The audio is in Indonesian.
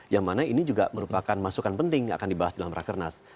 yang mana ini juga merupakan masukan penting akan dibahas dalam rakernas